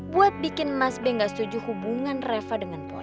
buat bikin mas b nggak setuju hubungan reva dengan pon